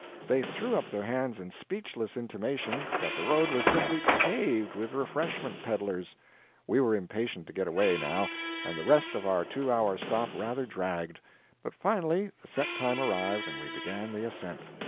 They threw up their hands in speechless intimation that the road was simply paved with refreshment peddlers. We were impatient to get away, now, and the rest of our two hour stop rather dragged. But finally the set time arrived and we began the ascent.